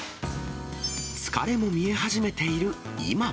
疲れも見え始めている今。